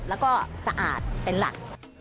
แล้วก็สะอาดเป็นหลัก